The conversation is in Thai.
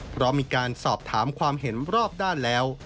เพราะมีการสอบถามความเห็นรอบด้านแล้ว